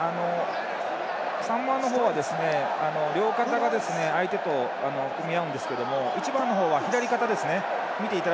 ３番の方は両肩が相手と組み合うんですけども１番は左肩ですね。